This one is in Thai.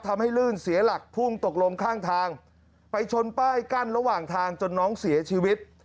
ลื่นเสียหลักพุ่งตกลงข้างทางไปชนป้ายกั้นระหว่างทางจนน้องเสียชีวิต